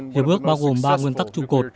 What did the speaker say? hiệp ước bao gồm ba nguyên tắc trụ cột